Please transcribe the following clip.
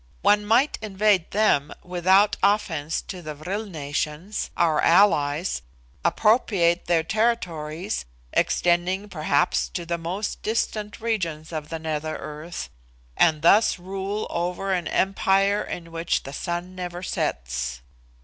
One might invade them without offence to the vril nations, our allies, appropriate their territories, extending, perhaps, to the most distant regions of the nether earth, and thus rule over an empire in which the sun never sets.